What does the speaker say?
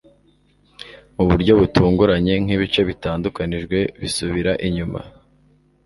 Mu buryo butunguranye nkibice bitandukanijwe bisubira inyuma